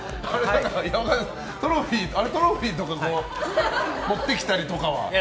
トロフィーとか持ってきたりとかは？